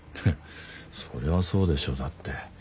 そりゃそうでしょだって。